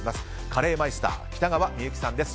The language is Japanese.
カレーマイスター北川みゆきさんです。